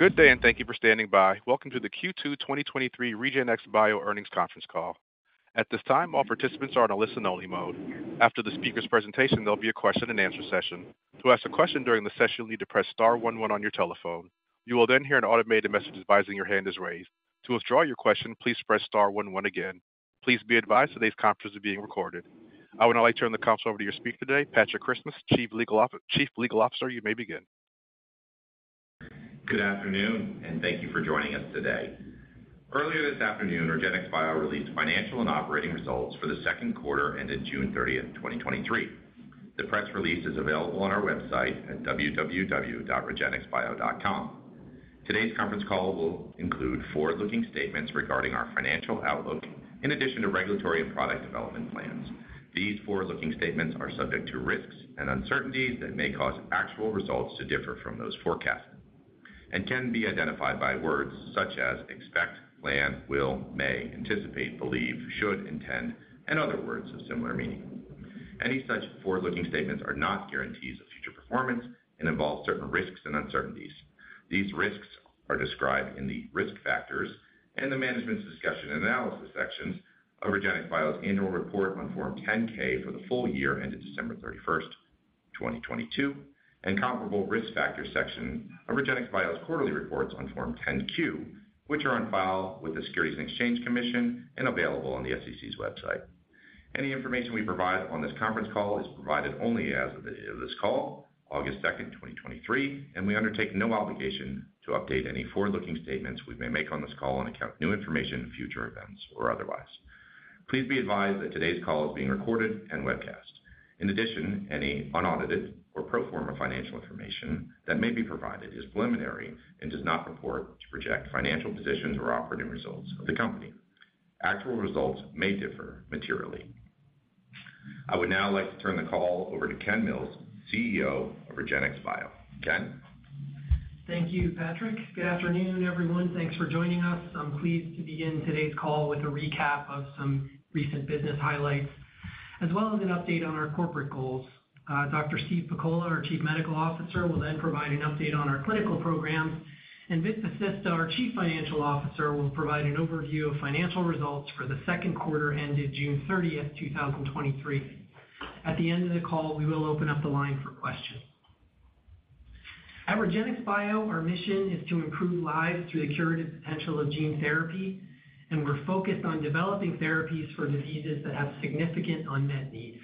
Good day, and thank you for standing by. Welcome to the Q2 2023 REGENXBIO Earnings Conference Call. At this time, all participants are in a listen-only mode. After the speaker's presentation, there'll be a question-and-answer session. To ask a question during the session, you'll need to press star one one on your telephone. You will then hear an automated message advising your hand is raised. To withdraw your question, please press star one one again. Please be advised, today's conference is being recorded. I would now like to turn the conference over to your speaker today, Patrick Christmas, Chief Legal Officer. You may begin. Good afternoon, thank you for joining us today. Earlier this afternoon, REGENXBIO released financial and operating results for the second quarter ended June 30, 2023. The press release is available on our website at www.regenxbio.com. Today's conference call will include forward-looking statements regarding our financial outlook, in addition to regulatory and product development plans. These forward-looking statements are subject to risks and uncertainties that may cause actual results to differ from those forecasted and can be identified by words such as expect, plan, will, may, anticipate, believe, should, intend, and other words of similar meaning. Any such forward-looking statements are not guarantees of future performance and involve certain risks and uncertainties. These risks are described in the Risk Factors and the Management's Discussion and Analysis sections of REGENXBIO's annual report on Form 10-K for the full year ended December 31, 2022, and comparable Risk Factors section of REGENXBIO's quarterly reports on Form 10-Q, which are on file with the Securities and Exchange Commission and available on the SEC's website. Any information we provide on this conference call is provided only as of the date of this call, August 2, 2023, and we undertake no obligation to update any forward-looking statements we may make on this call on account of new information, future events, or otherwise. Please be advised that today's call is being recorded and webcast. In addition, any unaudited or pro forma financial information that may be provided is preliminary and does not purport to project financial positions or operating results of the company. Actual results may differ materially. I would now like to turn the call over to Ken Mills, CEO of REGENXBIO. Ken? Thank you, Patrick. Good afternoon, everyone. Thanks for joining us. I'm pleased to begin today's call with a recap of some recent business highlights, as well as an update on our corporate goals. Dr. Steve Pakola, our Chief Medical Officer, will then provide an update on our clinical programs, and Vit Vasista, our Chief Financial Officer, will provide an overview of financial results for the second quarter ended June 30th, 2023. At the end of the call, we will open up the line for questions. At REGENXBIO, our mission is to improve lives through the curative potential of gene therapy, and we're focused on developing therapies for diseases that have significant unmet needs.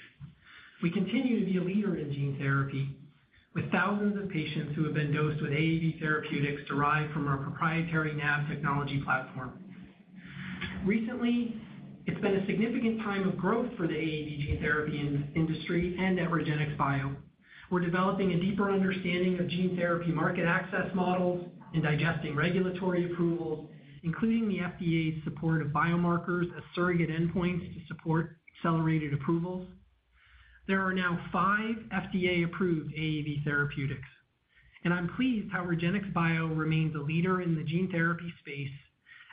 We continue to be a leader in gene therapy, with thousands of patients who have been dosed with AAV therapeutics derived from our proprietary NAV Technology Platform. Recently, it's been a significant time of growth for the AAV gene therapy industry and at REGENXBIO. We're developing a deeper understanding of gene therapy market access models and digesting regulatory approvals, including the FDA's support of biomarkers as surrogate endpoints to support accelerated approvals. There are now 5 FDA-approved AAV therapeutics, and I'm pleased how REGENXBIO remains a leader in the gene therapy space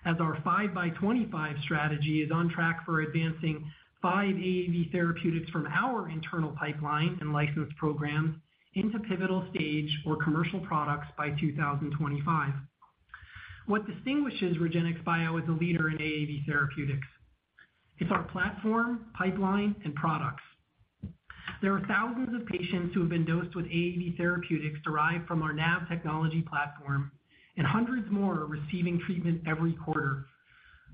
as our 5x25 strategy is on track for advancing 5 AAV therapeutics from our internal pipeline and licensed programs into pivotal stage or commercial products by 2025. What distinguishes REGENXBIO as a leader in AAV therapeutics is our platform, pipeline, and products. There are thousands of patients who have been dosed with AAV therapeutics derived from our NAV Technology Platform, and hundreds more are receiving treatment every quarter.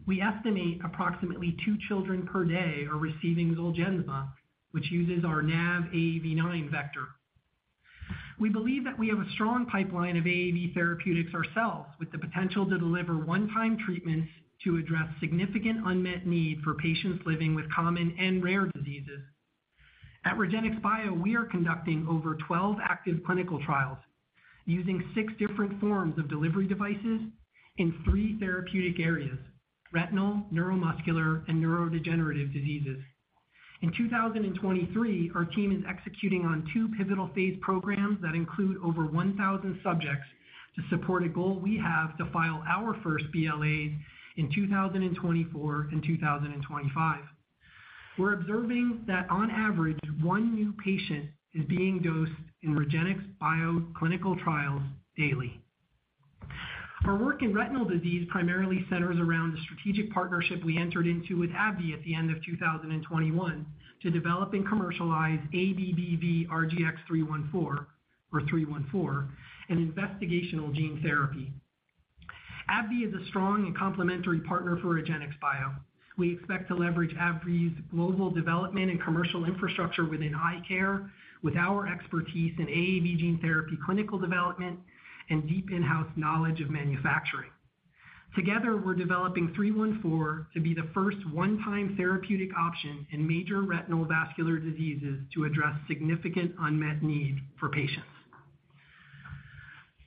We estimate approximately 2 children per day are receiving Zolgensma, which uses our NAV AAV9 vector. We believe that we have a strong pipeline of AAV therapeutics ourselves, with the potential to deliver one-time treatments to address significant unmet need for patients living with common and rare diseases. At REGENXBIO, we are conducting over 12 active clinical trials using 6 different forms of delivery devices in 3 therapeutic areas: retinal, neuromuscular, and neurodegenerative diseases. In 2023, our team is executing on 2 pivotal phase programs that include over 1,000 subjects to support a goal we have to file our first BLAs in 2024 and 2025. We're observing that on average, 1 new patient is being dosed in REGENXBIO clinical trials daily. Our work in retinal disease primarily centers around the strategic partnership we entered into with AbbVie at the end of 2021 to develop and commercialize ABBV-RGX-314, or 314, an investigational gene therapy. AbbVie is a strong and complementary partner for REGENXBIO. We expect to leverage AbbVie's global development and commercial infrastructure within eye care, with our expertise in AAV gene therapy clinical development, and deep in-house knowledge of manufacturing. Together, we're developing 314 to be the first one-time therapeutic option in major retinal vascular diseases to address significant unmet need for patients.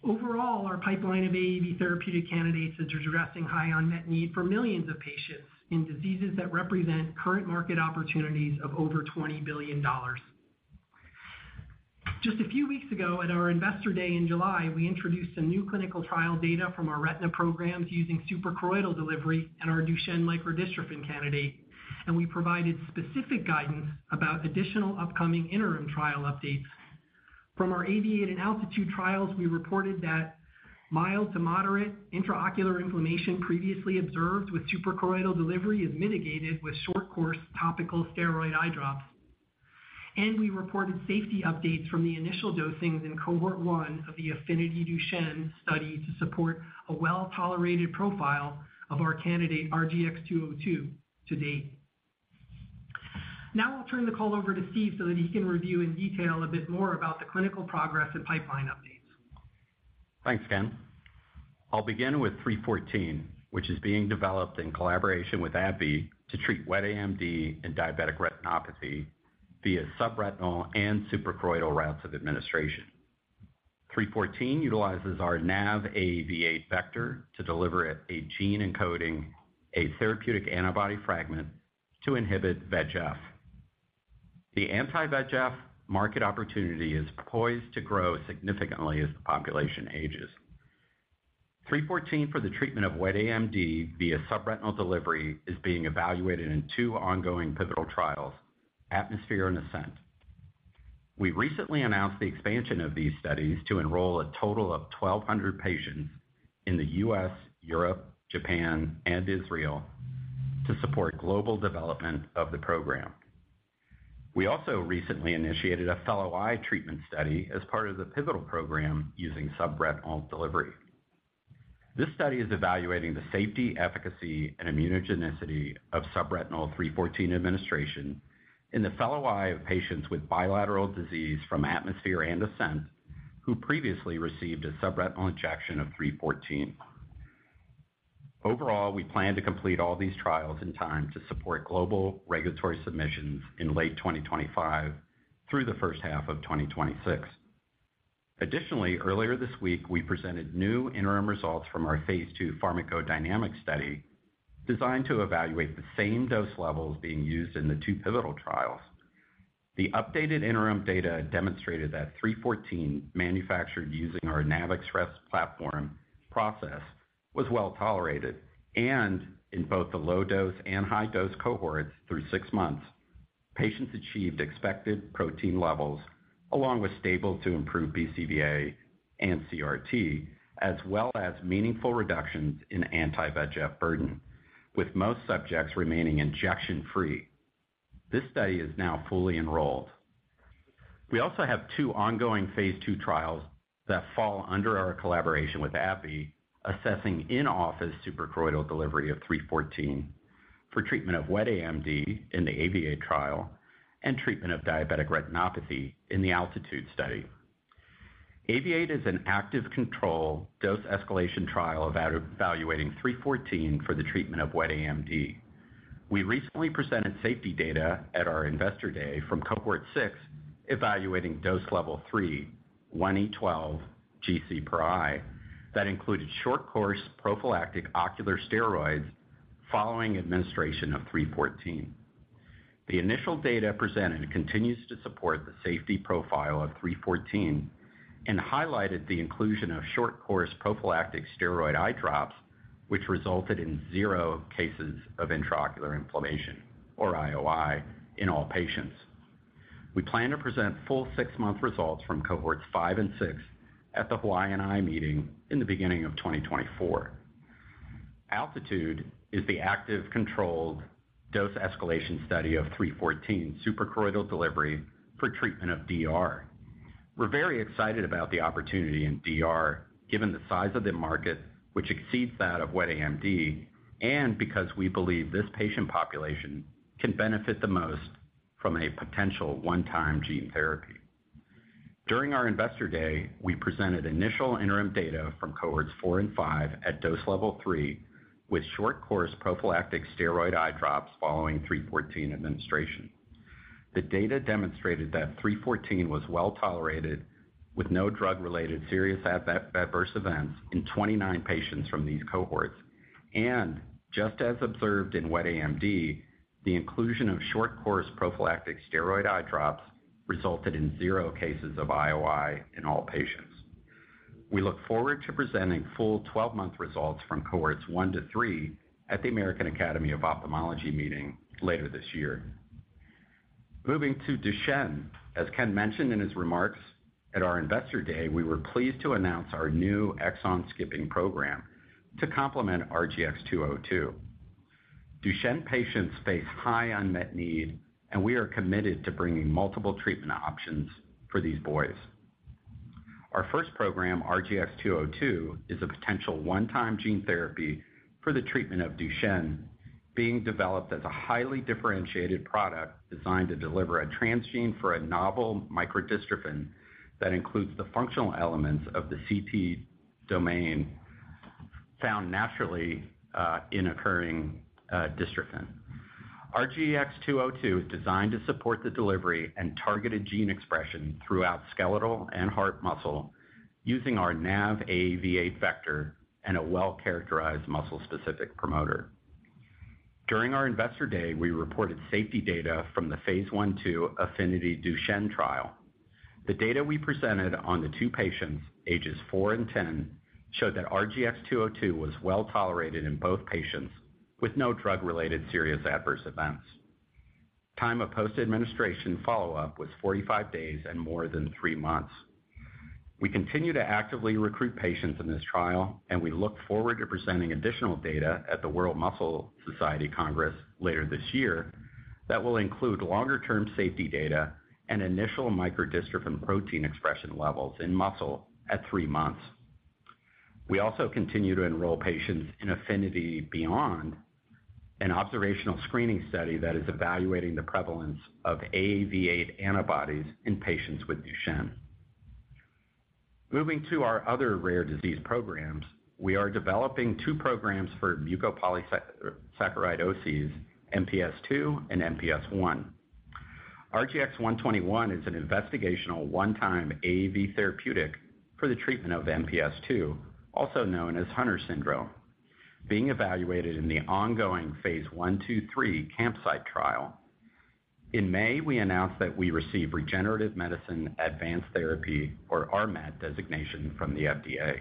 Overall, our pipeline of AAV therapeutic candidates is addressing high unmet need for millions of patients in diseases that represent current market opportunities of over $20 billion. Just a few weeks ago, at our Investor Day in July, we introduced some new clinical trial data from our retina programs using suprachoroidal delivery and our Duchenne microdystrophin candidate. We provided specific guidance about additional upcoming interim trial updates. From our AAVIATE and ALTITUDE trials, we reported that mild to moderate intraocular inflammation previously observed with suprachoroidal delivery is mitigated with short-course topical steroid eye drops. We reported safety updates from the initial dosings in cohort 1 of the AFFINITY DUCHENNE study to support a well-tolerated profile of our candidate, RGX-202 to date. Now I'll turn the call over to Steve so that he can review in detail a bit more about the clinical progress and pipeline updates. Thanks, Ken. I'll begin with 314, which is being developed in collaboration with AbbVie to treat wet AMD and diabetic retinopathy via subretinal and suprachoroidal routes of administration. 314 utilizes our NAV AAV8 vector to deliver a gene encoding a therapeutic antibody fragment to inhibit VEGF. The anti-VEGF market opportunity is poised to grow significantly as the population ages. 314 for the treatment of wet AMD via subretinal delivery, is being evaluated in two ongoing pivotal trials, ATMOSPHERE and ASCENT. We recently announced the expansion of these studies to enroll a total of 1,200 patients in the US, Europe, Japan, and Israel to support global development of the program. We also recently initiated a fellow eye treatment study as part of the pivotal program using subretinal delivery. This study is evaluating the safety, efficacy, and immunogenicity of subretinal 314 administration in the fellow eye of patients with bilateral disease from ATMOSPHERE and ASCENT, who previously received a subretinal injection of 314. Overall, we plan to complete all these trials in time to support global regulatory submissions in late 2025 through the first half of 2026. Earlier this week, we presented new interim results from our phase II pharmacodynamic study, designed to evaluate the same dose levels being used in the 2 pivotal trials. The updated interim data demonstrated that 314 manufactured using our NAVXpress platform process was well tolerated, and in both the low dose and high dose cohorts through 6 months, patients achieved expected protein levels, along with stable to improved BCVA and CRT, as well as meaningful reductions in anti-VEGF burden, with most subjects remaining injection-free. This study is now fully enrolled. We also have 2 ongoing phase II trials that fall under our collaboration with AbbVie, assessing in-office suprachoroidal delivery of 314 for treatment of wet AMD in the AAVIATE trial and treatment of diabetic retinopathy in the ALTITUDE study. AAVIATE is an active control dose escalation trial evaluating 314 for the treatment of wet AMD. We recently presented safety data at our Investor Day from cohort 6, evaluating dose level 3, 1E12 GC per eye, that included short-course prophylactic ocular steroids following administration of 314. The initial data presented continues to support the safety profile of 314 and highlighted the inclusion of short-course prophylactic steroid eye drops, which resulted in 0 cases of intraocular inflammation, or IOI, in all patients. We plan to present full six-month results from cohorts five and six at the Hawaiian Eye meeting in the beginning of 2024. ALTITUDE is the active controlled dose escalation study of 314 suprachoroidal delivery for treatment of DR. We're very excited about the opportunity in DR, given the size of the market, which exceeds that of wet AMD, and because we believe this patient population can benefit the most from a potential one-time gene therapy. During our Investor Day, we presented initial interim data from cohorts four and five at dose level three, with short-course prophylactic steroid eye drops following 314 administration. The data demonstrated that 314 was well tolerated, with no drug-related serious adverse events in 29 patients from these cohorts. Just as observed in wet AMD, the inclusion of short-course prophylactic steroid eye drops resulted in 0 cases of IOI in all patients. We look forward to presenting full 12-month results from cohorts 1 to 3 at the American Academy of Ophthalmology Meeting later this year. Moving to Duchenne, as Ken mentioned in his remarks at our Investor Day, we were pleased to announce our new exon skipping program to complement RGX-202. Duchenne patients face high unmet need, and we are committed to bringing multiple treatment options for these boys. Our first program, RGX-202, is a potential one-time gene therapy for the treatment of Duchenne, being developed as a highly differentiated product designed to deliver a transgene for a novel microdystrophin that includes the functional elements of the CT domain found naturally in occurring dystrophin. RGX-202 is designed to support the delivery and targeted gene expression throughout skeletal and heart muscle using our NAV AAV8 vector and a well-characterized muscle-specific promoter. During our Investor Day, we reported safety data from the Phase I/II AFFINITY DUCHENNE trial. The data we presented on the 2 patients, ages 4 and 10, showed that RGX-202 was well tolerated in both patients, with no drug-related serious adverse events. Time of post-administration follow-up was 45 days and more than 3 months. We continue to actively recruit patients in this trial, and we look forward to presenting additional data at the World Muscle Society Congress later this year, that will include longer-term safety data and initial microdystrophin protein expression levels in muscle at 3 months. We also continue to enroll patients in AFFINITY BEYOND, an observational screening study that is evaluating the prevalence of AAV8 antibodies in patients with Duchenne. Moving to our other rare disease programs, we are developing two programs for mucopolysaccharidoses, MPS II and MPS I. RGX-121 is an investigational one-time AAV therapeutic for the treatment of MPS II, also known as Hunter syndrome, being evaluated in the ongoing phase I, II, III CAMPSIITE trial. In May, we announced that we received Regenerative Medicine Advanced Therapy, or RMAT designation from the FDA.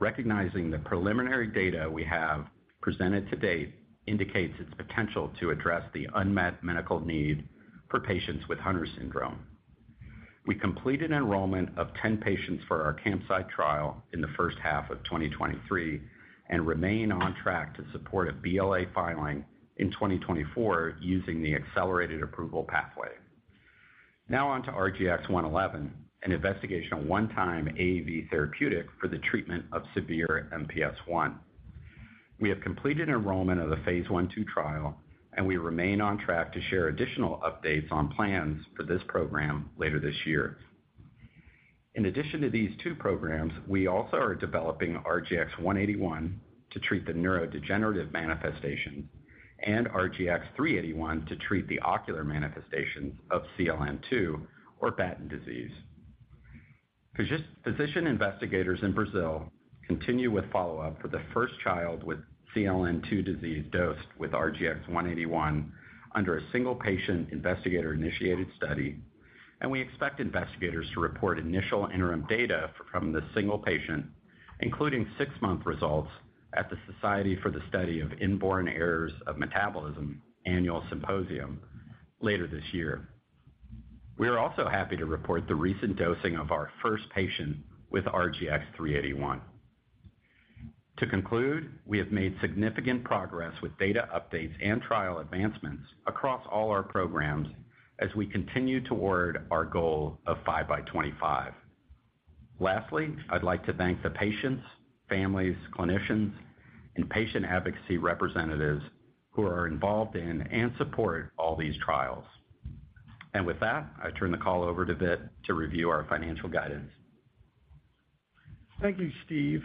Recognizing the preliminary data we have presented to date indicates its potential to address the unmet medical need for patients with Hunter syndrome. We completed enrollment of 10 patients for our CAMPSIITE trial in the first half of 2023, and remain on track to support a BLA filing in 2024, using the accelerated approval pathway. Now on to RGX-111, an investigational one-time AAV therapeutic for the treatment of severe MPS I. We have completed enrollment of the phase I/II trial, and we remain on track to share additional updates on plans for this program later this year. In addition to these two programs, we also are developing RGX-181 to treat the neurodegenerative manifestation, and RGX-381 to treat the ocular manifestation of CLN2 or Batten disease. physician investigators in Brazil continue with follow-up for the first child with CLN2 disease, dosed with RGX-181 under a single patient investigator-initiated study, and we expect investigators to report initial interim data from the single patient, including six-month results at the Society for the Study of Inborn Errors of Metabolism Annual Symposium later this year. We are also happy to report the recent dosing of our first patient with RGX-381. To conclude, we have made significant progress with data updates and trial advancements across all our programs as we continue toward our goal of 5x25. Lastly, I'd like to thank the patients, families, clinicians, and patient advocacy representatives who are involved in and support all these trials. With that, I turn the call over to Vit to review our financial guidance. Thank you, Steve.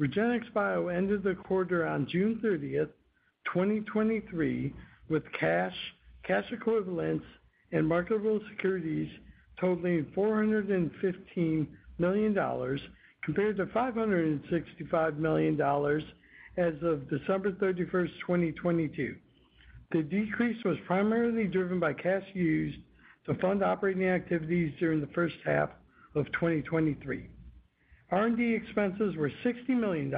REGENXBIO ended the quarter on June 30th, 2023, with cash, cash equivalents, and marketable securities totaling $415 million, compared to $565 million as of December 31st, 2022. The decrease was primarily driven by cash used to fund operating activities during the first half of 2023. R&D expenses were $60 million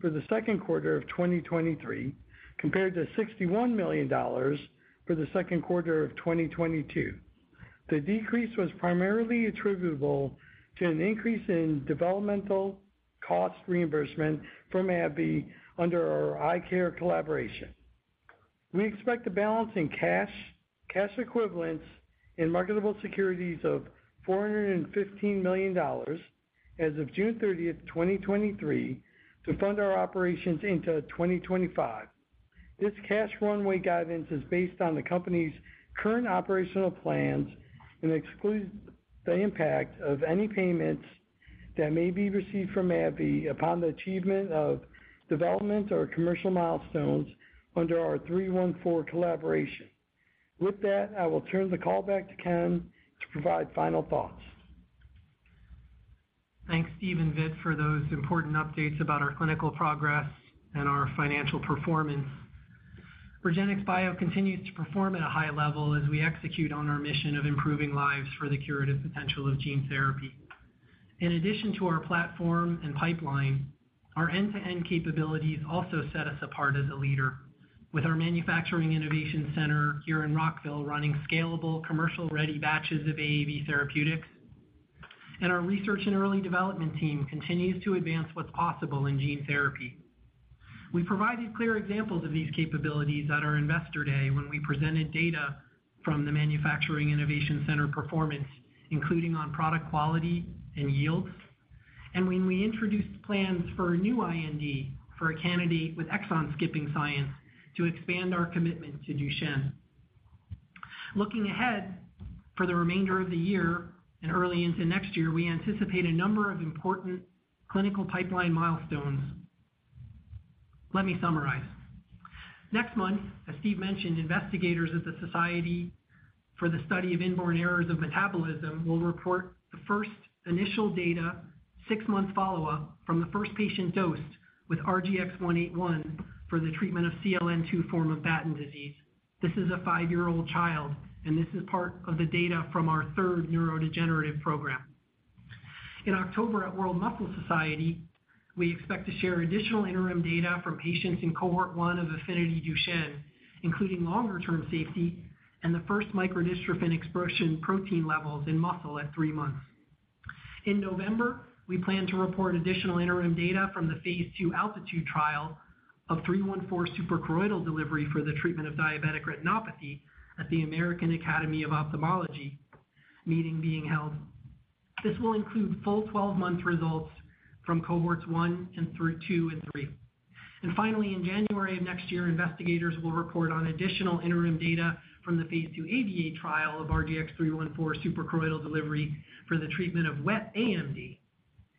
for the second quarter of 2023, compared to $61 million for the second quarter of 2022. The decrease was primarily attributable to an increase in developmental cost reimbursement from AbbVie under our eye care collaboration. We expect the balance in cash, cash equivalents, and marketable securities of $415 million as of June 30th, 2023, to fund our operations into 2025. This cash runway guidance is based on the company's current operational plans and excludes the impact of any payments that may be received from AbbVie upon the achievement of development or commercial milestones under our 314 collaboration. With that, I will turn the call back to Ken to provide final thoughts. Thanks, Steve and Vit, for those important updates about our clinical progress and our financial performance. REGENXBIO continues to perform at a high level as we execute on our mission of improving lives for the curative potential of gene therapy. In addition to our platform and pipeline, our end-to-end capabilities also set us apart as a leader, with our Manufacturing Innovation Center here in Rockville, running scalable, commercial-ready batches of AAV therapeutics. Our research and early development team continues to advance what's possible in gene therapy. We provided clear examples of these capabilities at our Investor Day, when we presented data from the Manufacturing Innovation Center performance, including on product quality and yields, and when we introduced plans for a new IND for a candidate with exon skipping science to expand our commitment to Duchenne. Looking ahead, for the remainder of the year and early into next year, we anticipate a number of important clinical pipeline milestones. Let me summarize. Next month, as Steve mentioned, investigators at the Society for the Study of Inborn Errors of Metabolism will report the first initial data, six-month follow-up from the first patient dosed with RGX-181 for the treatment of CLN2 form of Batten disease. This is a five-year-old child, this is part of the data from our third neurodegenerative program. In October, at World Muscle Society, we expect to share additional interim data from patients in cohort one of AFFINITY DUCHENNE, including longer-term safety and the first microdystrophin expression protein levels in muscle at three months. In November, we plan to report additional interim data from the phase II ALTITUDE trial of 314 suprachoroidal delivery for the treatment of diabetic retinopathy at the American Academy of Ophthalmology meeting being held. This will include full 12-month results from cohorts 1 and through 2 and 3. Finally, in January of next year, investigators will report on additional interim data from the phase II AAVIATE trial of RGX-314 suprachoroidal delivery for the treatment of wet AMD,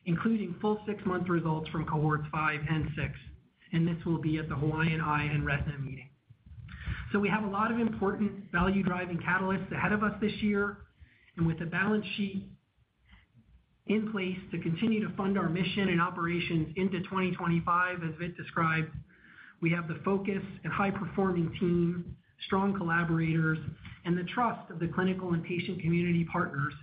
including full 6-month results from cohorts 5 and 6, and this will be at the Hawaiian Eye and Retina meeting. We have a lot of important value-driving catalysts ahead of us this year, and with a balance sheet in place to continue to fund our mission and operations into 2025, as Vit described, we have the focus and high-performing team, strong collaborators, and the trust of the clinical and patient community partners.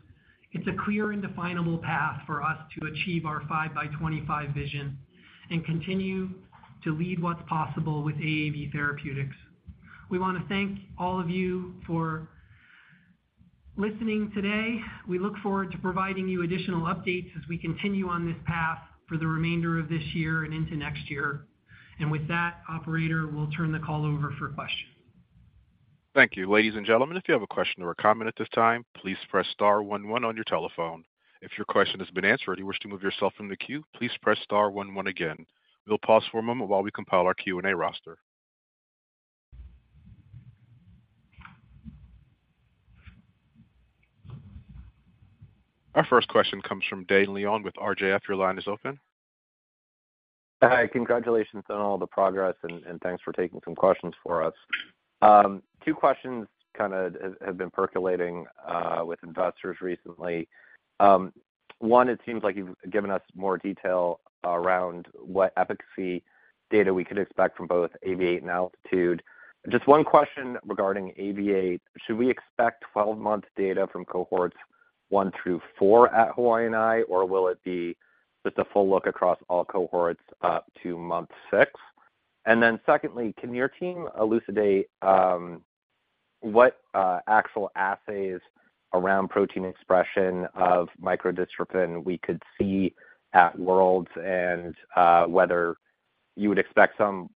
It's a clear and definable path for us to achieve our 5x25 vision and continue to lead what's possible with AAV Therapeutics. We want to thank all of you for listening today. We look forward to providing you additional updates as we continue on this path for the remainder of this year and into next year. With that, operator, we'll turn the call over for questions. Thank you. Ladies and gentlemen, if you have a question or a comment at this time, please press star one one on your telephone. If your question has been answered and you wish to move yourself from the queue, please press star one one again. We'll pause for a moment while we compile our Q&A roster. Our first question comes from Dane Leone with RJF. Your line is open. Hi. Congratulations on all the progress, and thanks for taking some questions for us. Two questions kind of have been percolating with investors recently. One, it seems like you've given us more detail around what efficacy data we could expect from both AAVIATE and ALTITUDE. Just one question regarding AAVIATE, should we expect 12-month data from cohorts one through four at Hawaiian Eye, or will it be just a full look across all cohorts up to month six? Secondly, can your team elucidate what actual assays around protein expression of microdystrophin we could see at World, and whether you would expect some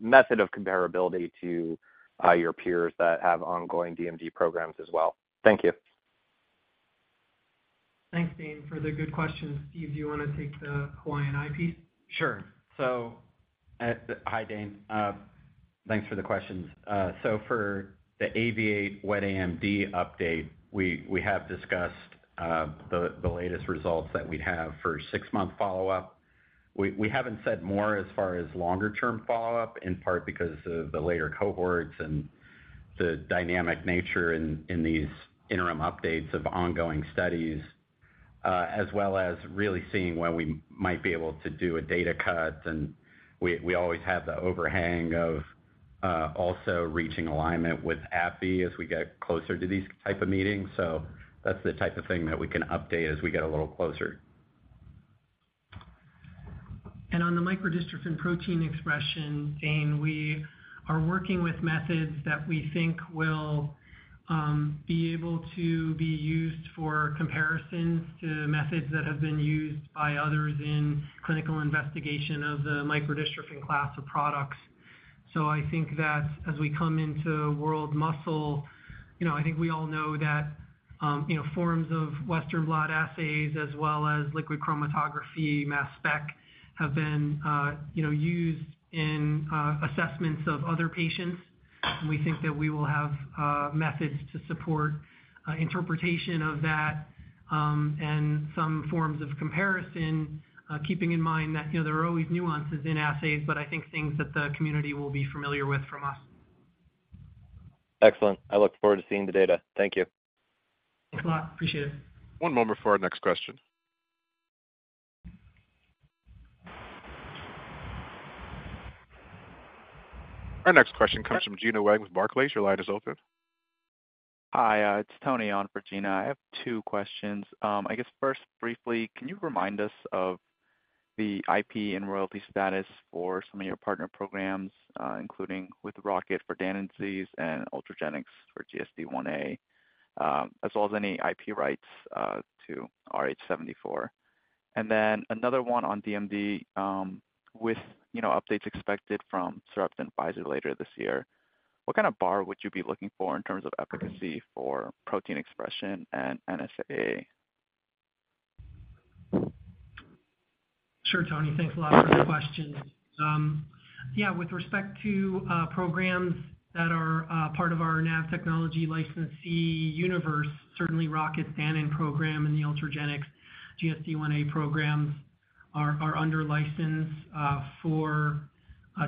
method of comparability to your peers that have ongoing DMD programs as well? Thank you. Thanks, Dane, for the good questions. Steve, do you wanna take the Hawaiian Eye piece? Sure. Hi, Dane. Thanks for the questions. For the AAV8 wet AMD update, we, we have discussed the latest results that we have for 6-month follow-up. We, we haven't said more as far as longer-term follow-up, in part because of the later cohorts and the dynamic nature in, in these interim updates of ongoing studies, as well as really seeing when we might be able to do a data cut, and we, we always have the overhang of also reaching alignment with AbbVie as we get closer to these type of meetings. That's the type of thing that we can update as we get a little closer. On the microdystrophin protein expression, Dane, we are working with methods that we think will be able to be used for comparisons to methods that have been used by others in clinical investigation of the microdystrophin class of products. I think that as we come into World Muscle, you know, I think we all know that, you know, forms of Western blot assays as well as liquid chromatography–mass spectrometry, have been, you know, used in assessments of other patients. We think that we will have methods to support interpretation of that and some forms of comparison, keeping in mind that, you know, there are always nuances in assays, but I think things that the community will be familiar with from us. Excellent. I look forward to seeing the data. Thank you. Thanks a lot. Appreciate it. One moment before our next question. Our next question comes from Gena Wang with Barclays. Your line is open. Hi, it's Tony on for Gena. I have 2 questions. I guess first, briefly, can you remind us of the IP and royalty status for some of your partner programs, including with Rocket for Danon disease and Ultragenyx for GSDIa, as well as any IP rights to rh74? Then another one on DMD, with, you know, updates expected from Sarepta and Pfizer later this year, what kind of bar would you be looking for in terms of efficacy for protein expression and NSAA? Sure, Tony. Thanks a lot for the questions. Yeah, with respect to programs that are part of our NAV Technology licensee universe, certainly Rocket's Danon program and the Ultragenyx GSDIa programs are under license for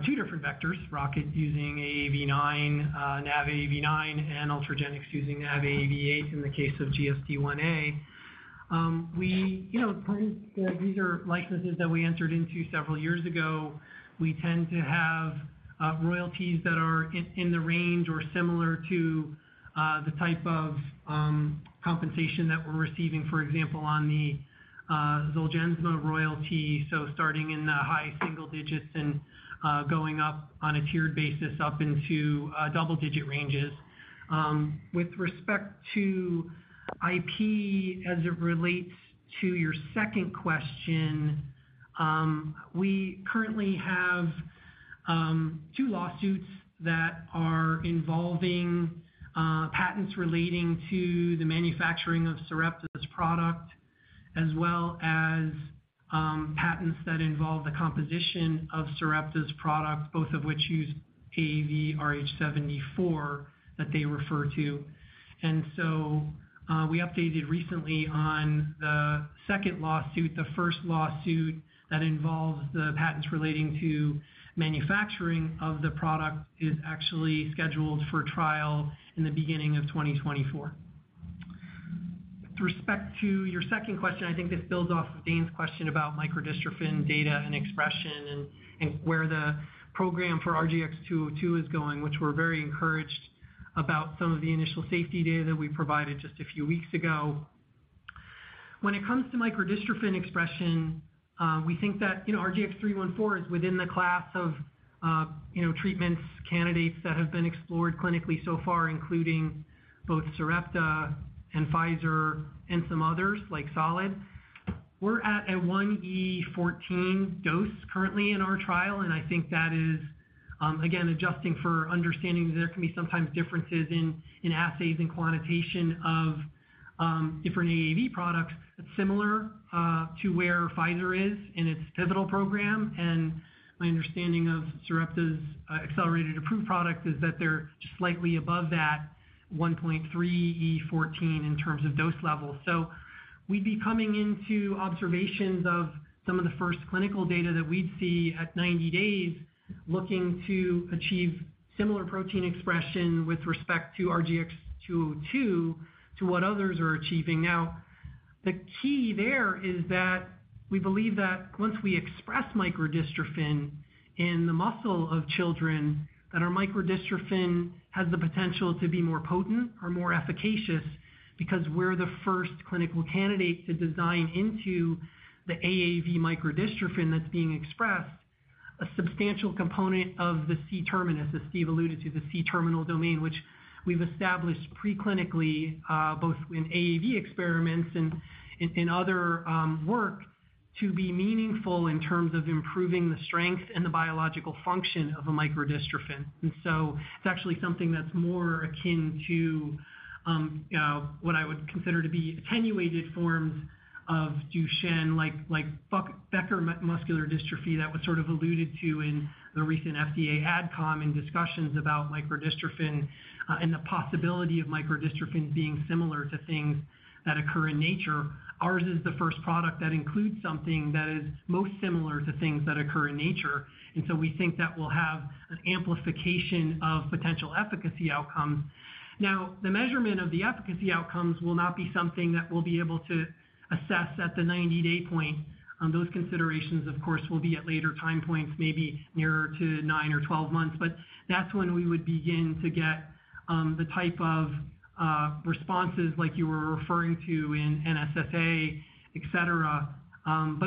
2 different vectors, Rocket using AAV9, NAV AAV9, and Ultragenyx using NAV AAV8 in the case of GSDIa. We, you know, these are licenses that we entered into several years ago. We tend to have royalties that are in the range or similar to the type of compensation that we're receiving, for example, on the Zolgensma royalty. Starting in the high single digits and going up on a tiered basis up into double digit ranges. With respect to IP, as it relates to your second question, we currently have two lawsuits that are involving patents relating to the manufacturing of Sarepta's product, as well as patents that involve the composition of Sarepta's product, both of which use AAVrh74, that they refer to. We updated recently on the second lawsuit. The first lawsuit that involves the patents relating to manufacturing of the product is actually scheduled for trial in the beginning of 2024. With respect to your second question, I think this builds off of Dane's question about microdystrophin data and expression and where the program for RGX-202 is going, which we're very encouraged about some of the initial safety data that we provided just a few weeks ago. When it comes to microdystrophin expression, we think that, you know, RGX-314 is within the class of, you know, treatments, candidates that have been explored clinically so far, including both Sarepta and Pfizer and some others, like Solid. We're at a 1E14 dose currently in our trial, and I think that is, again, adjusting for understanding that there can be sometimes differences in, in assays and quantitation of, different AAV products. It's similar, to where Pfizer is in its pivotal program, and my understanding of Sarepta's accelerated approved product is that they're just slightly above that 1.3E14 in terms of dose level. We'd be coming into observations of some of the first clinical data that we'd see at 90 days, looking to achieve similar protein expression with respect to RGX-202, to what others are achieving. Now, the key there is that we believe that once we express microdystrophin in the muscle of children, that our microdystrophin has the potential to be more potent or more efficacious because we're the first clinical candidate to design into the AAV microdystrophin that's being expressed, a substantial component of the C-terminus, as Steve alluded to, the C-terminal domain, which we've established preclinically, both in AAV experiments and, and in other work, to be meaningful in terms of improving the strength and the biological function of a microdystrophin. It's actually something that's more akin to what I would consider to be attenuated forms of Duchenne, like Becker muscular dystrophy that was sort of alluded to in the recent FDA AdCom in discussions about microdystrophin and the possibility of microdystrophin being similar to things that occur in nature. Ours is the first product that includes something that is most similar to things that occur in nature, and so we think that we'll have an amplification of potential efficacy outcomes. Now, the measurement of the efficacy outcomes will not be something that we'll be able to assess at the 90-day point. Those considerations, of course, will be at later time points, maybe nearer to 9 or 12 months. That's when we would begin to get the type of responses like you were referring to in NSFA, et cetera.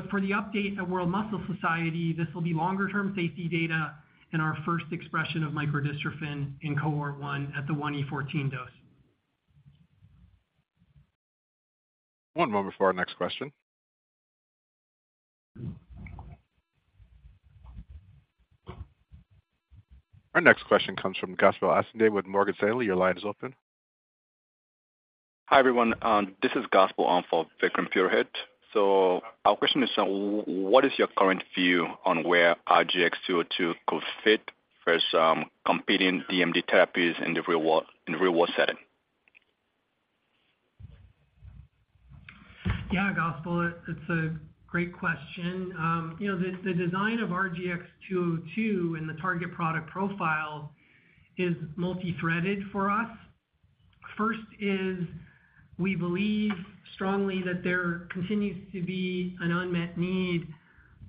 For the update at World Muscle Society, this will be longer-term safety data in our first expression of microdystrophin in cohort 1 at the 1E14 dose. One moment for our next question. Our next question comes from Gospel Asonye with Morgan Stanley. Your line is open. Hi, everyone, this is Gospel on for Vikram Purohit. Our question is: What is your current view on where RGX-202 could fit versus competing DMD therapies in the real world, in real-world setting? Yeah, Gospel, it, it's a great question. You know, the, the design of RGX-202 and the target product profile is multi-threaded for us. First is, we believe strongly that there continues to be an unmet need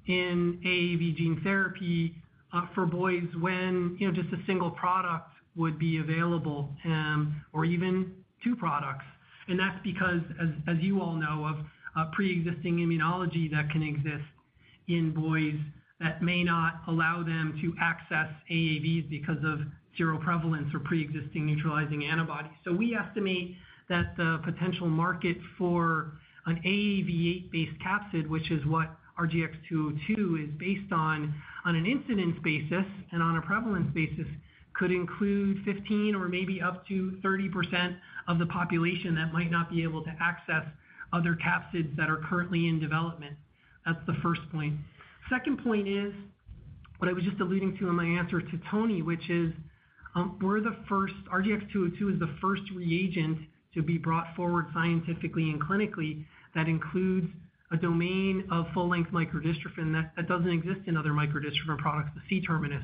in AAV gene therapy for boys when, you know, just a single product would be available or even two products. That's because, as, as you all know, of a preexisting immunology that can exist in boys that may not allow them to access AAVs because of zero prevalence or preexisting neutralizing antibodies. We estimate that the potential market for an AAV8-based capsid, which is what RGX-202 is based on, on an incidence basis and on a prevalence basis, could include 15 or maybe up to 30% of the population that might not be able to access other capsids that are currently in development. That's the first point. Second point is, what I was just alluding to in my answer to Tony, which is, RGX-202 is the first reagent to be brought forward scientifically and clinically, that includes a domain of full-length microdystrophin that, that doesn't exist in other microdystrophin products, the C-terminus.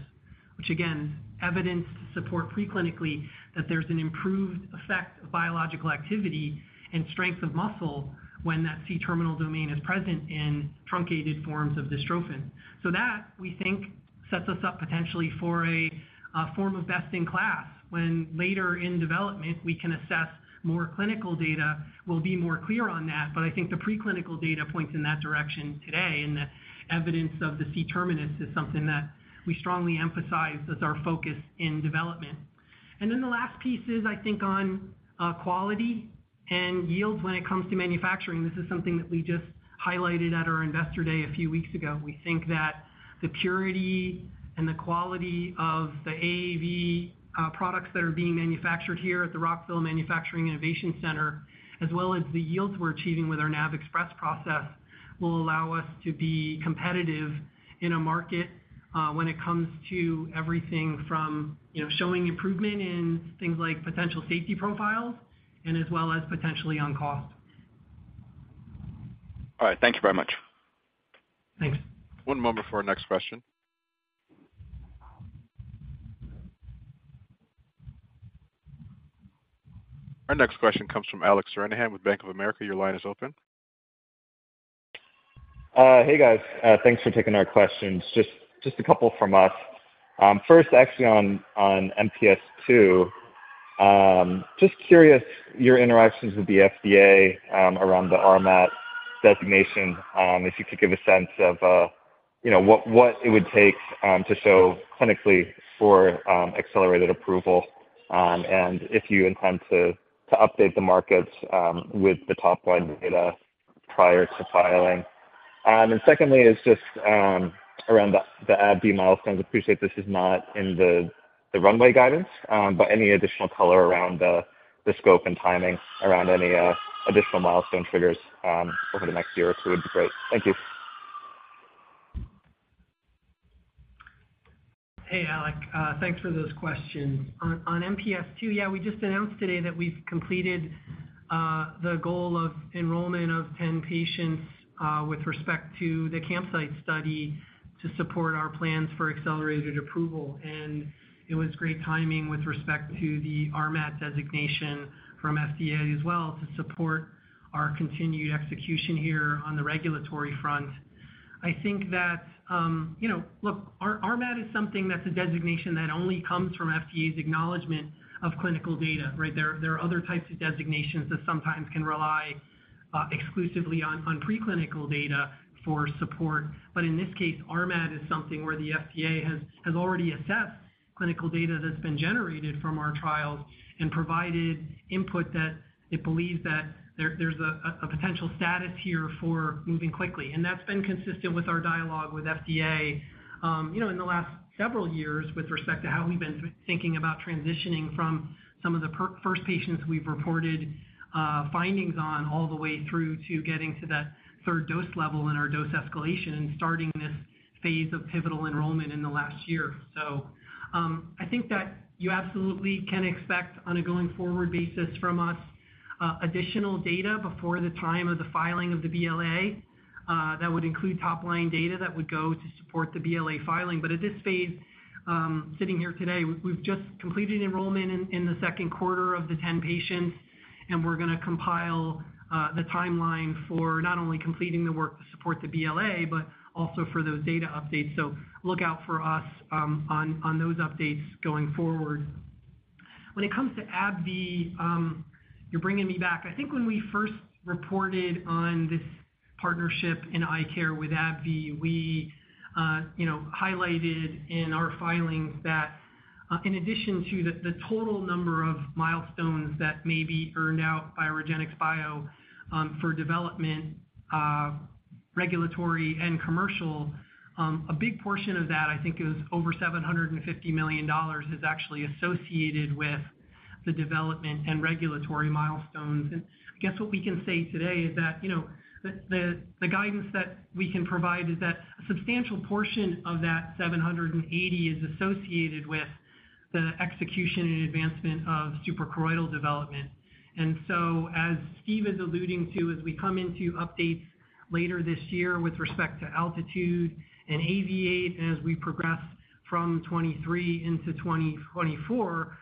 Again, evidence to support preclinically that there's an improved biological activity and strength of muscle when that C-Terminal domain is present in truncated forms of dystrophin. That, we think, sets us up potentially for a form of best-in-class, when later in development, we can assess more clinical data, we'll be more clear on that. I think the preclinical data points in that direction today, and the evidence of the C-terminus is something that we strongly emphasize as our focus in development. Then the last piece is, I think, on quality and yield when it comes to manufacturing. This is something that we just highlighted at our Investor Day a few weeks ago. We think that the purity and the quality of the AAV products that are being manufactured here at the Rockville Manufacturing Innovation Center, as well as the yields we're achieving with our NAVXpress process, will allow us to be competitive in a market, when it comes to everything from, you know, showing improvement in things like potential safety profiles and as well as potentially on cost. All right. Thank you very much. Thanks. One moment for our next question. Our next question comes from Alec Stranahan with Bank of America. Your line is open. Hey, guys. Thanks for taking our questions. Just, just a couple from us. First, actually on, on MPS II, just curious, your interactions with the FDA, around the RMAT designation, if you could give a sense of, you know, what, what it would take, to show clinically for, accelerated approval, and if you intend to, to update the markets, with the top line data prior to filing. Secondly, is just, around the, the AbbVie milestones. Appreciate this is not in the, the runway guidance, but any additional color around the, the scope and timing around any, additional milestone triggers, over the next year or two would be great. Thank you. Hey, Alec. thanks for those questions. On, on MPS II, yeah, we just announced today that we've completed, the goal of enrollment of 10 patients, with respect to the CAMPSIITE study to support our plans for accelerated approval. It was great timing with respect to the RMAT designation from FDA as well, to support our continued execution here on the regulatory front. I think that, you know, look, RMAT is something that's a designation that only comes from FDA's acknowledgment of clinical data, right? There, there are other types of designations that sometimes can rely, exclusively on, on preclinical data for support. In this case, RMAT is something where the FDA has, has already assessed clinical data that's been generated from our trials and provided input that it believes that there, there's a, a potential status here for moving quickly. That's been consistent with our dialogue with FDA, you know, in the last several years, with respect to how we've been thinking about transitioning from some of the 1st patients we've reported findings on, all the way through to getting to that 3rd dose level in our dose escalation and starting this phase of pivotal enrollment in the last year. I think that you absolutely can expect, on a going-forward basis from us, additional data before the time of the filing of the BLA. That would include top-line data that would go to support the BLA filing. At this phase, sitting here today, we've, we've just completed enrollment in, in the second quarter of the 10 patients, and we're gonna compile the timeline for not only completing the work to support the BLA, but also for those data updates. Look out for us on, on those updates going forward. When it comes to AbbVie, you're bringing me back. I think when we first reported on this partnership in eye care with AbbVie, we, you know, highlighted in our filings that, in addition to the, the total number of milestones that may be earned out by REGENXBIO, for development, regulatory and commercial, a big portion of that, I think it was over $750 million, is actually associated with the development and regulatory milestones. I guess what we can say today is that, you know, the guidance that we can provide is that a substantial portion of that $780 is associated with the execution and advancement of suprachoroidal development. As Steve is alluding to, as we come into updates later this year with respect to ALTITUDE and AAVIATE, and as we progress from 2023 into 2024,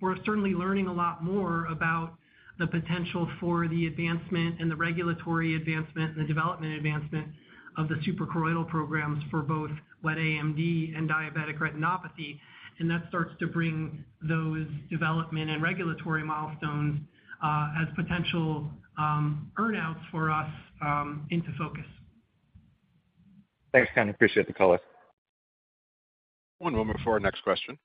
we're certainly learning a lot more about the potential for the advancement and the regulatory advancement and the development advancement of the suprachoroidal programs for both wet AMD and diabetic retinopathy, and that starts to bring those development and regulatory milestones as potential earn-outs for us into focus. Thanks, Ken. Appreciate the color. One moment for our next question.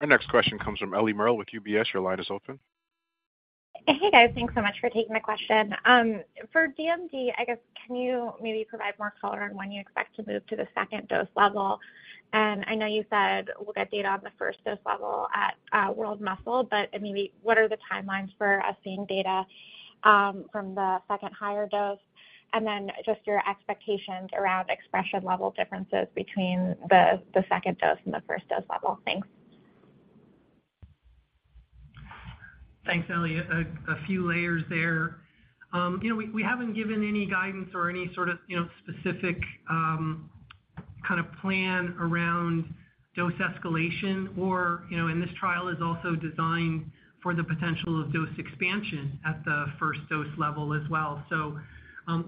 Our next question comes from Ellie Merle with UBS. Your line is open. Hey, guys. Thanks so much for taking my question. For DMD, I guess, can you maybe provide more color on when you expect to move to the second dose level? I know you said we'll get data on the first dose level at World Muscle, but maybe what are the timelines for us seeing data from the second higher dose? Just your expectations around expression level differences between the second dose and the first dose level. Thanks.... Thanks, Ellie. A, a few layers there. You know, we, we haven't given any guidance or any sort of, you know, specific, kind of plan around dose escalation or, you know, and this trial is also designed for the potential of dose expansion at the first dose level as well.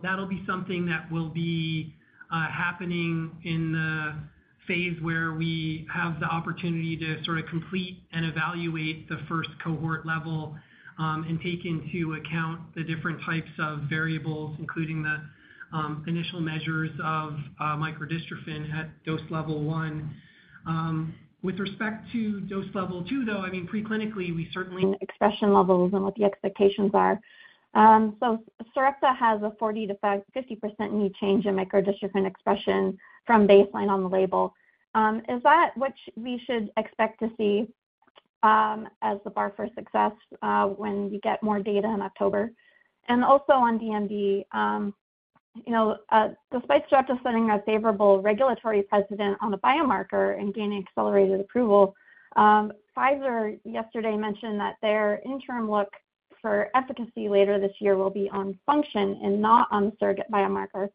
That'll be something that will be happening in the phase where we have the opportunity to sort of complete and evaluate the first cohort level, and take into account the different types of variables, including the, initial measures of, microdystrophin at dose level one. With respect to dose level two, though, I mean, preclinically, we certainly- -expression levels and what the expectations are. So Sarepta has a 40% to 50% new change in microdystrophin expression from baseline on the label. Is that which we should expect to see as the bar for success when we get more data in October? Also on DMD, you know, despite Sarepta setting a favorable regulatory precedent on the biomarker and gaining accelerated approval, Pfizer yesterday mentioned that their interim look for efficacy later this year will be on function and not on the surrogate biomarker.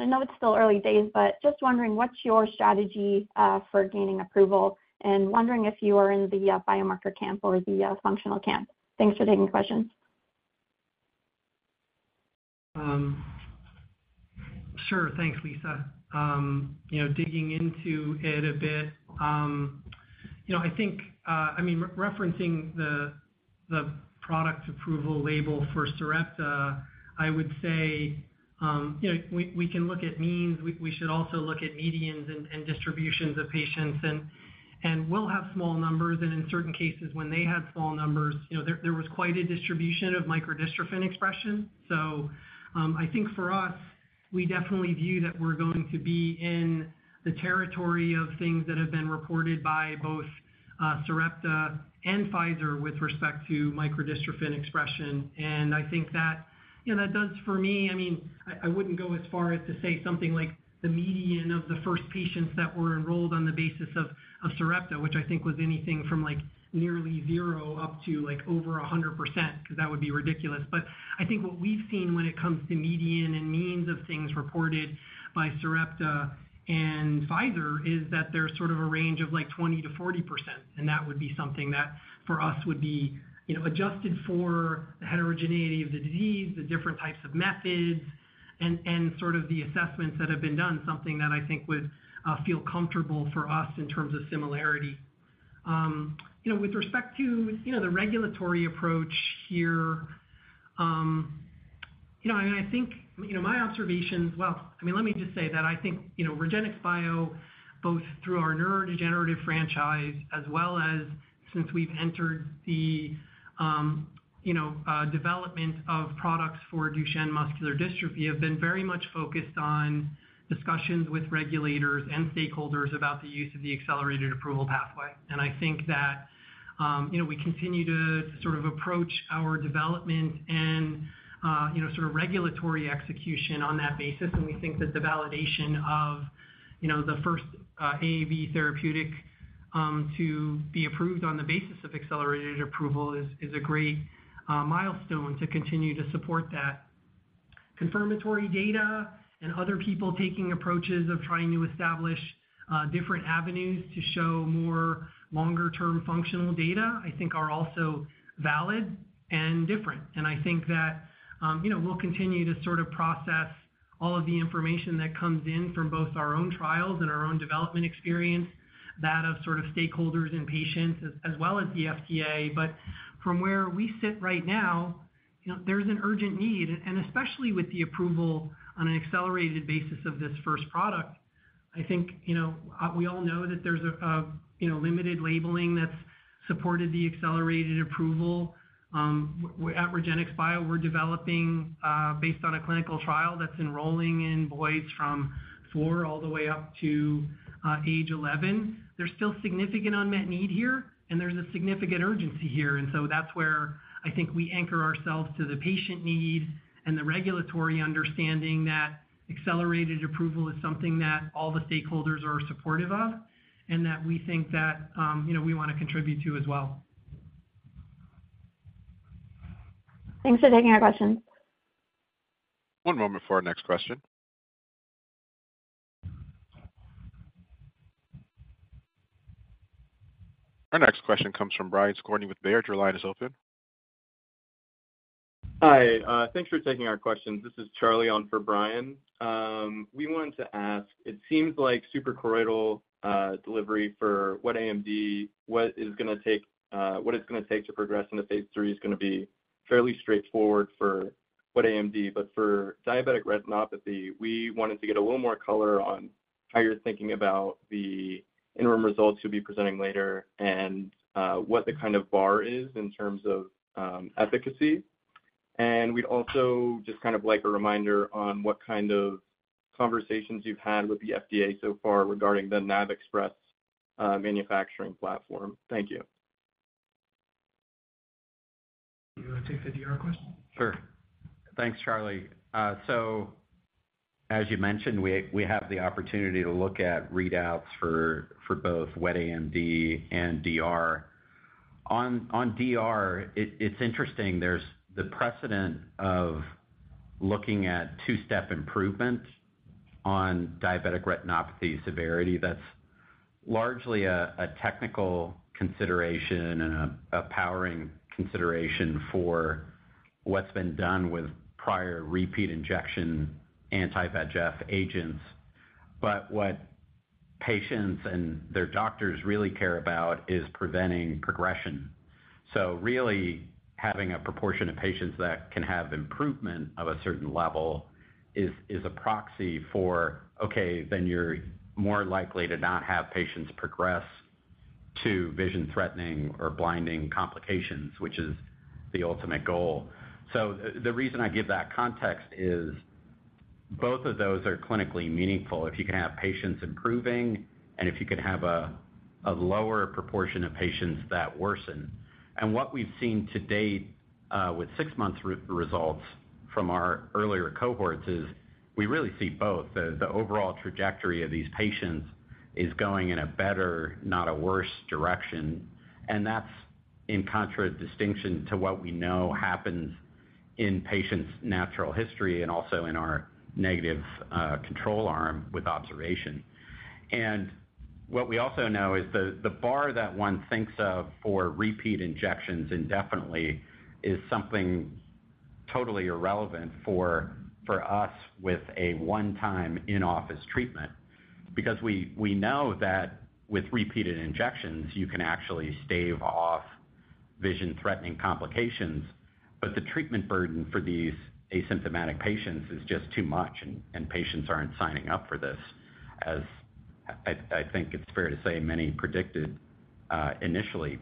I know it's still early days, but just wondering, what's your strategy for gaining approval? Wondering if you are in the biomarker camp or the functional camp. Thanks for taking the questions. Sure. Thanks, Lisa. you know, digging into it a bit, you know, I think, I mean, re- referencing the, the product approval label for Sarepta, I would say, you know, we, we can look at means. We, we should also look at medians and, and distributions of patients. And, and we'll have small numbers, and in certain cases, when they had small numbers, you know, there, there was quite a distribution of microdystrophin expression. I think for us, we definitely view that we're going to be in the territory of things that have been reported by both, Sarepta and Pfizer with respect to microdystrophin expression. I think that, you know, that does for me, I mean, I, I wouldn't go as far as to say something like the median of the first patients that were enrolled on the basis of, of Sarepta, which I think was anything from, like, 0 up to, like, over 100%, 'cause that would be ridiculous. I think what we've seen when it comes to median and means of things reported by Sarepta and Pfizer is that there's sort of a range of, like, 20%-40%, and that would be something that, for us, would be, you know, adjusted for the heterogeneity of the disease, the different types of methods, and, and sort of the assessments that have been done, something that I think would feel comfortable for us in terms of similarity. You know, with respect to, you know, the regulatory approach here, you know, I mean, I think, you know, my observations. Well, I mean, let me just say that I think, you know, REGENXBIO, both through our neurodegenerative franchise as well as since we've entered the, you know, development of products for Duchenne muscular dystrophy, have been very much focused on discussions with regulators and stakeholders about the use of the accelerated approval pathway. I think that, you know, we continue to sort of approach our development and, you know, sort of regulatory execution on that basis, and we think that the validation of, you know, the first, AAV therapeutic, to be approved on the basis of accelerated approval is, is a great milestone to continue to support that. Confirmatory data and other people taking approaches of trying to establish, different avenues to show more longer-term functional data, I think are also valid and different. I think that, you know, we'll continue to sort of process all of the information that comes in from both our own trials and our own development experience, that of sort of stakeholders and patients, as, as well as the FDA. From where we sit right now, you know, there's an urgent need, and especially with the approval on an accelerated basis of this first product, I think, you know, we all know that there's a, you know, limited labeling that's supported the accelerated approval. At REGENXBIO, we're developing, based on a clinical trial that's enrolling in boys from 4 all the way up to age 11. There's still significant unmet need here, and there's a significant urgency here, and so that's where I think we anchor ourselves to the patient need and the regulatory understanding that accelerated approval is something that all the stakeholders are supportive of and that we think that, you know, we wanna contribute to as well. Thanks for taking our question. One moment for our next question. Our next question comes from Brian Skorney with Baird. Your line is open. Hi. Thanks for taking our questions. This is Charlie on for Brian. We wanted to ask, it seems like suprachoroidal delivery for wet AMD, what is gonna take, what it's gonna take to progress into phase III is gonna be fairly straightforward for wet AMD. For diabetic retinopathy, we wanted to get a little more color on how you're thinking about the interim results you'll be presenting later and what the kind of bar is in terms of efficacy. We'd also just kind of like a reminder on what kind of conversations you've had with the FDA so far regarding the NAVXpress manufacturing platform. Thank you. You want to take the DR question? Sure. Thanks, Charlie. As you mentioned, we, we have the opportunity to look at readouts for, for both wet AMD and DR. On, on DR, it, it's interesting, there's the precedent of looking at two-step improvement on diabetic retinopathy severity. That's largely a, a technical consideration and a, a powering consideration for what's been done with prior repeat injection, anti-VEGF agents. What patients and their doctors really care about is preventing progression. Really having a proportion of patients that can have improvement of a certain level is, is a proxy for, okay, then you're more likely to not have patients progress to vision-threatening or blinding complications, which is the ultimate goal. The, the reason I give that context is both of those are clinically meaningful if you can have patients improving and if you can have a, a lower proportion of patients that worsen. What we've seen to date, with 6 months results from our earlier cohorts is we really see both. The overall trajectory of these patients is going in a better, not a worse direction, and that's in contradistinction to what we know happens in patients' natural history and also in our negative, control arm with observation. What we also know is the bar that one thinks of for repeat injections indefinitely is something totally irrelevant for us with a one-time in-office treatment. Because we know that with repeated injections, you can actually stave off vision-threatening complications, but the treatment burden for these asymptomatic patients is just too much, and patients aren't signing up for this, as I think it's fair to say, many predicted, initially.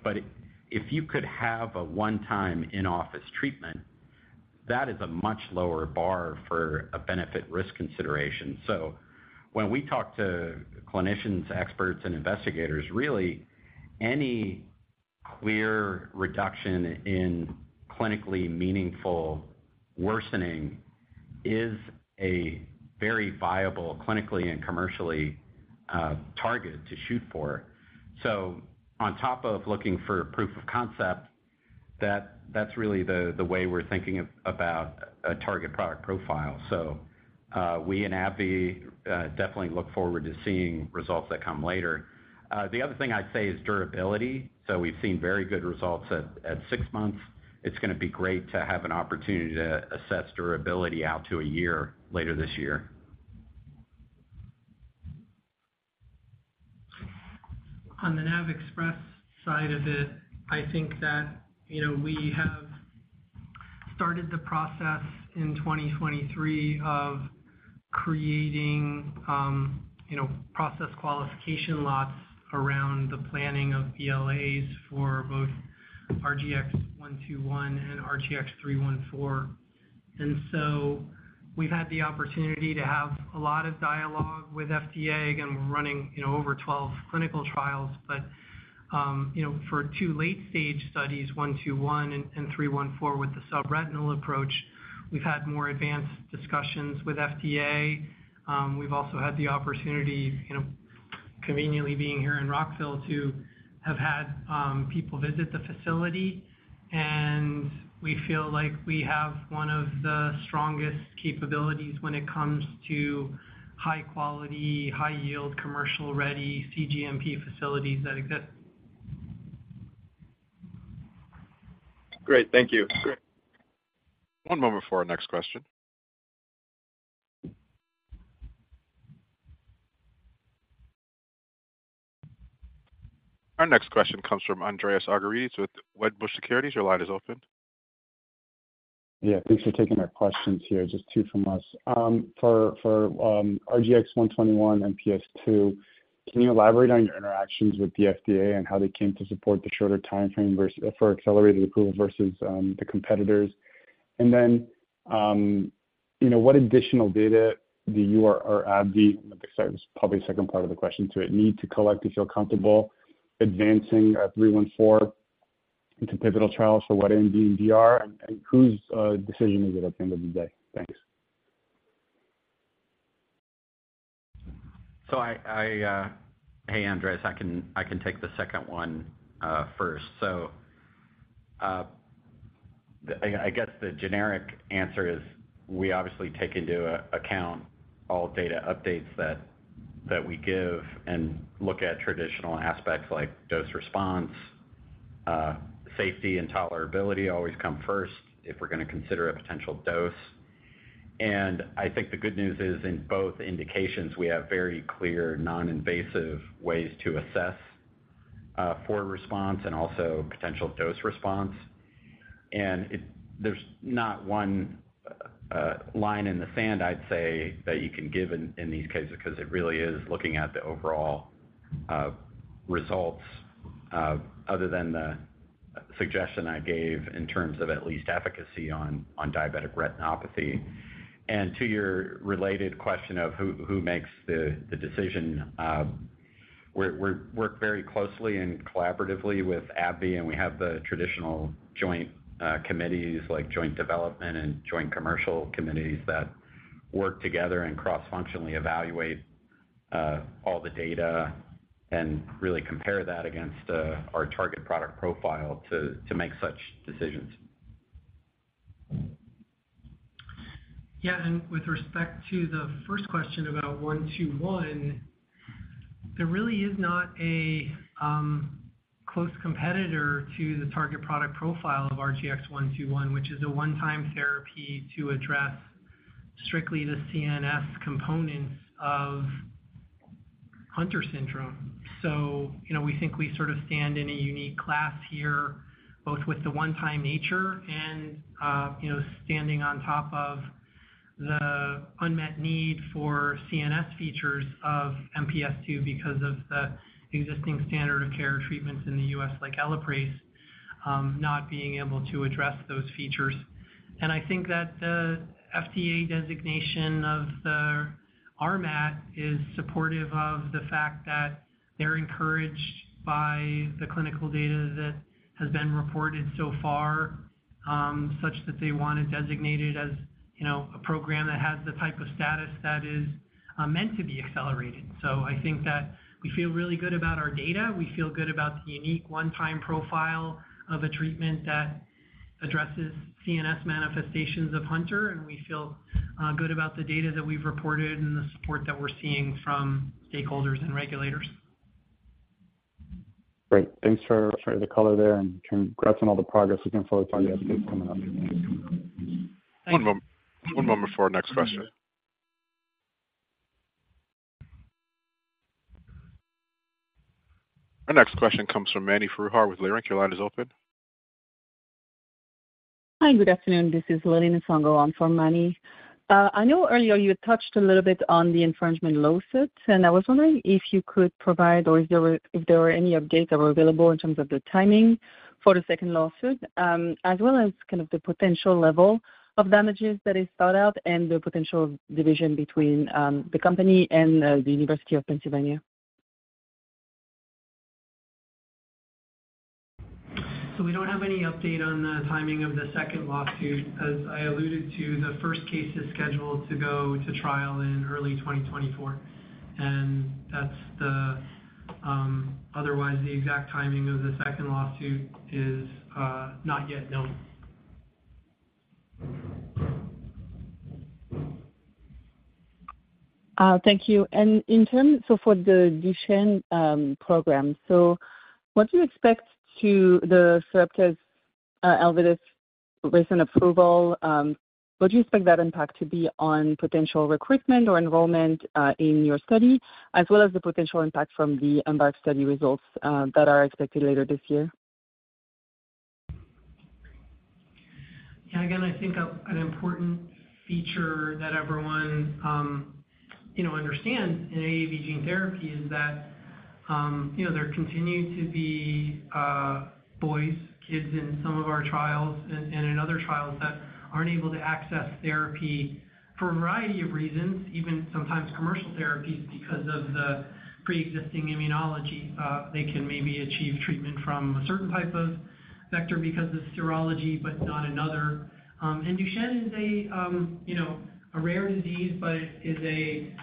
If you could have a one-time in-office treatment, that is a much lower bar for a benefit-risk consideration. When we talk to clinicians, experts, and investigators, really any clear reduction in clinically meaningful worsening is a very viable, clinically and commercially, target to shoot for. On top of looking for proof of concept, that, that's really the, the way we're thinking about a target product profile. We and AbbVie, definitely look forward to seeing results that come later. The other thing I'd say is durability. We've seen very good results at six months. It's going to be great to have an opportunity to assess durability out to a year later this year. On the NAVXpress side of it, I think that, you know, we have started the process in 2023 of creating, you know, process qualification lots around the planning of BLAs for both RGX-121 and RGX-314. So we've had the opportunity to have a lot of dialogue with FDA, again, we're running, you know, over 12 clinical trials. For 2 late-stage studies, RGX-121 and RGX-314, with the subretinal approach, we've had more advanced discussions with FDA. We've also had the opportunity, you know, conveniently being here in Rockville, to have had people visit the facility, and we feel like we have one of the strongest capabilities when it comes to high quality, high yield, commercial-ready cGMP facilities that exist. Great. Thank you. One moment for our next question. Our next question comes from Andreas Argyrides with Wedbush Securities. Your line is open. Yeah. Thanks for taking our questions here. Just two from us. For RGX-121 and MPS II, can you elaborate on your interactions with the FDA and how they came to support the shorter time frame for accelerated approval versus the competitors? Then, you know, what additional data do you or, or AbbVie, sorry, this is probably the second part of the question to it, need to collect to feel comfortable advancing 314 into pivotal trials for wet AMD and DR, and whose decision is it at the end of the day? Thanks. I, I... Hey, Andreas, I can, I can take the second one, first. The, I, I guess the generic answer is we obviously take into account all data updates that, that we give and look at traditional aspects like dose response, safety, and tolerability always come first if we're going to consider a potential dose. I think the good news is, in both indications, we have very clear, non-invasive ways to assess for response and also potential dose response. There's not one line in the sand, I'd say, that you can give in, in these cases, because it really is looking at the overall results, other than the suggestion I gave in terms of at least efficacy on, on diabetic retinopathy. To your related question of who, who makes the, the decision... We're, we work very closely and collaboratively with AbbVie, and we have the traditional joint committees, like joint development and joint commercial committees, that work together and cross-functionally evaluate all the data and really compare that against our target product profile to, to make such decisions. Yeah, with respect to the first question about 121, there really is not a close competitor to the target product profile of RGX-121, which is a one-time therapy to address strictly the CNS components of Hunter syndrome. You know, we think we sort of stand in a unique class here, both with the one-time nature and, you know, standing on top of the unmet need for CNS features of MPS II because of the existing standard of care treatments in the US, like Elaprase, not being able to address those features. I think that the FDA designation of the RMAT is supportive of the fact that they're encouraged by the clinical data that has been reported so far, such that they want it designated as, you know, a program that has the type of status that is meant to be accelerated. I think that we feel really good about our data. We feel good about the unique one-time profile of a treatment that addresses CNS manifestations of Hunter, and we feel good about the data that we've reported and the support that we're seeing from stakeholders and regulators. Great. Thanks for the color there, and congrats on all the progress. Looking forward to all the updates coming up. One moment. One moment before our next question. Our next question comes from Mani Foroohar with Leerink. Your line is open. Hi, good afternoon. This is Lili Nsongo for Mani. I know earlier you had touched a little bit on the infringement lawsuit, and I was wondering if you could provide, or if there were, if there were any updates that were available in terms of the timing for the second lawsuit, as well as kind of the potential level of damages that is thought out and the potential division between the company and the University of Pennsylvania. We don't have any update on the timing of the second lawsuit. As I alluded to, the first case is scheduled to go to trial in early 2024. Otherwise, the exact timing of the second lawsuit is not yet known. Thank you. In terms, so for the Duchenne program, so what do you expect to the Sarepta's ELEVIDYS recent approval, what do you expect that impact to be on potential recruitment or enrollment in your study, as well as the potential impact from the EMBARK study results that are expected later this year? Yeah, again, I think a, an important feature that everyone, you know, understands in AAV gene therapy is that, you know, there continue to be boys, kids in some of our trials and, and in other trials that aren't able to access therapy for a variety of reasons, even sometimes commercial therapies, because of the pre-existing immunology. They can maybe achieve treatment from a certain type of vector because of serology, but not another. Duchenne is a, you know, a rare disease, but it is a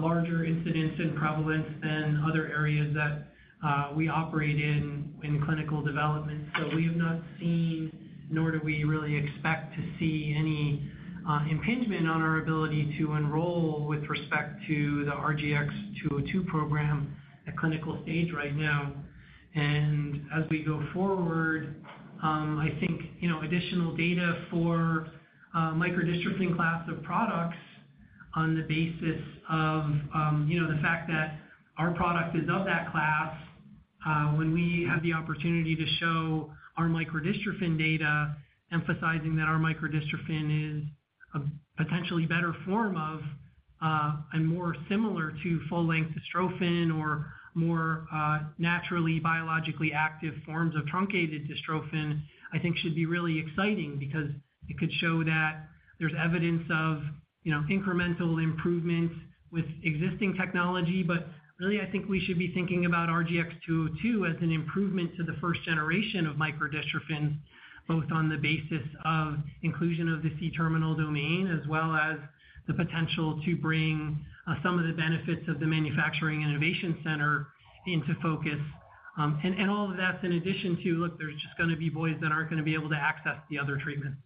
larger incidence and prevalence than other areas that we operate in, in clinical development. We have not seen, nor do we really expect to see, any impingement on our ability to enroll with respect to the RGX-202 program at clinical stage right now. As we go forward, I think, you know, additional data for microdystrophin class of products on the basis of, you know, the fact that our product is of that class, when we have the opportunity to show our microdystrophin data, emphasizing that our microdystrophin is a potentially better form of, and more similar to full-length dystrophin or more naturally biologically active forms of truncated dystrophin, I think should be really exciting. It could show that there's evidence of, you know, incremental improvements with existing technology. Really, I think we should be thinking about RGX-202 as an improvement to the first generation of microdystrophins, both on the basis of inclusion of the C-Terminal domain, as well as the potential to bring some of the benefits of the Manufacturing Innovation Center into focus. All of that's in addition to, look, there's just gonna be boys that aren't gonna be able to access the other treatments.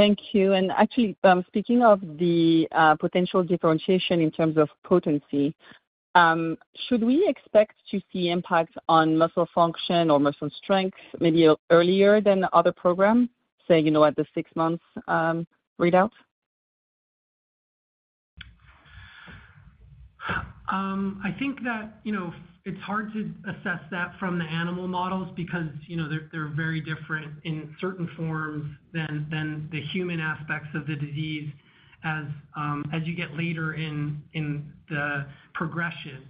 Thank you. Actually, speaking of the potential differentiation in terms of potency, should we expect to see impacts on muscle function or muscle strength maybe earlier than the other program, say, you know, at the six months readout? I think that, you know, it's hard to assess that from the animal models because, you know, they're, they're very different in certain forms than, than the human aspects of the disease. As you get later in, in the progression,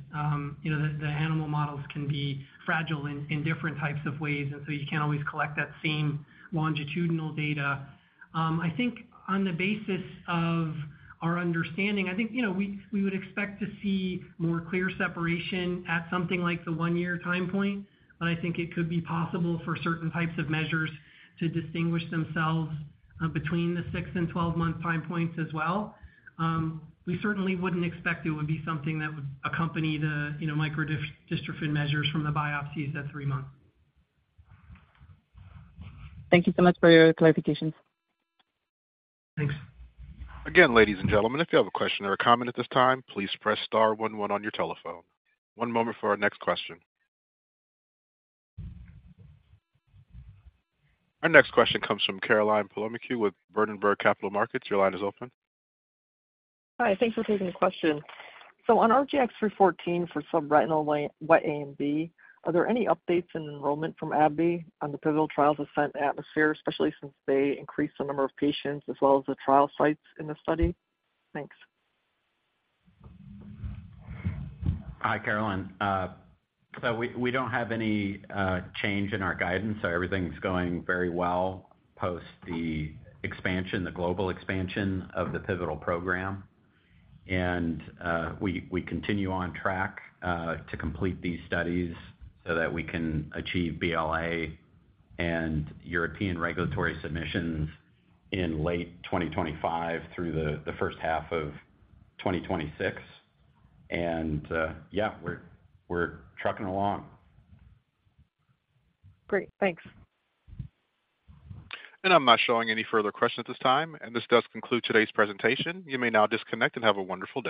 you know, the, the animal models can be fragile in, in different types of ways, and so you can't always collect that same longitudinal data. I think on the basis of our understanding, I think, you know, we, we would expect to see more clear separation at something like the one-year time point, but I think it could be possible for certain types of measures to distinguish themselves between the six and 12-month time points as well. We certainly wouldn't expect it would be something that would accompany the, you know, microdystrophin measures from the biopsies at three months. Thank you so much for your clarifications. Thanks. Again, ladies and gentlemen, if you have a question or a comment at this time, please press star 11 on your telephone. One moment for our next question. Our next question comes from Caroline Palomeque with Berenberg Capital Markets. Your line is open. Hi, thanks for taking the question. On RGX-314 for subretinal wet AMD, are there any updates in enrollment from AbbVie on the pivotal trials of ATMOSPHERE, especially since they increased the number of patients as well as the trial sites in the study? Thanks. Hi, Caroline. So we, we don't have any change in our guidance, so everything's going very well post the expansion, the global expansion of the pivotal program. We, we continue on track to complete these studies so that we can achieve BLA and European regulatory submissions in late 2025 through the first half of 2026. Yeah, we're, we're trucking along. Great. Thanks. I'm not showing any further questions at this time, and this does conclude today's presentation. You may now disconnect and have a wonderful day.